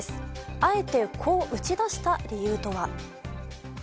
あえてこう打ち出した理由とは？